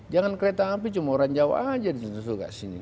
jangan kereta api cuma orang jawa aja disini suka